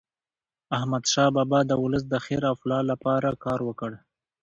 احمد شاه بابا د ولس د خیر او فلاح لپاره کار وکړ.